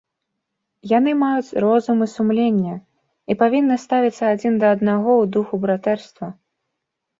Яны маюць розум і сумленне, і павінны ставіцца адзін да аднаго ў духу братэрства.